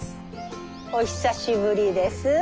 お久しぶりです。